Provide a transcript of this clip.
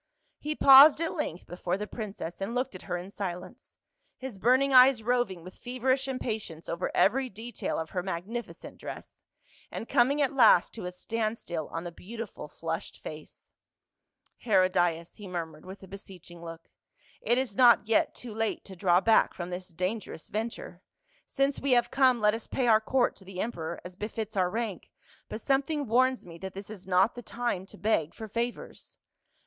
He paused at length before the princess and looked at her in silence, his burning eyes roving with feverish impatience over ever}' detail of her mag nificent dress, and coming at last to a standstill on the beautiful flushed face. CAWS, THE GOD. 161 " Herodias," he murmured with a beseeching look, " it is not yet too late to draw back from this danger ous venture. Since we have come, let us pay our court to the emperor as befits our rank, but something warns me that tliis is not the time to beg for favors."